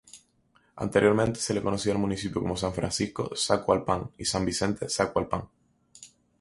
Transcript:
Anteriormente se le conocía al municipio como San Francisco Zacualpan y San Vicente Zacualpan.